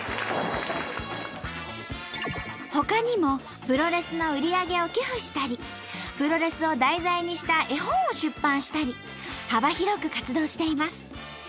ほかにもプロレスの売り上げを寄付したりプロレスを題材にした絵本を出版したり幅広く活動しています。